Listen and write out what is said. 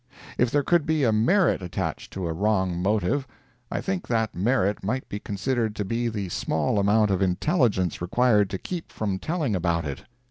If there could be a merit attached to a wrong motive, I think that merit might be considered to be the small amount of intelligence required to keep from telling about it.